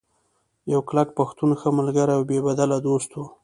يو کلک پښتون ، ښۀ ملګرے او بې بدله دوست وو